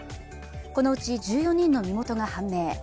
このうち１４人の身元が判明。